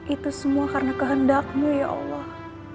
itu semua karena kehendakmu ya allah